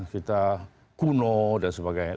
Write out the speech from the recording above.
kita kuno dan sebagainya